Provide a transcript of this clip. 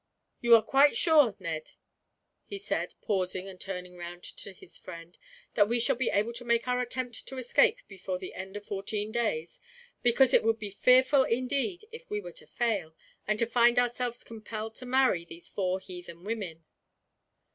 "You are quite sure, Ned," he said, pausing and turning round to his friend, "that we shall be able to make our attempt to escape before the end of the fourteen days? Because it would be fearful, indeed, if we were to fail, and to find ourselves compelled to marry these four heathen women."